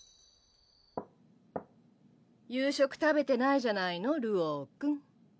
コンコン夕食食べてないじゃないの流鶯君。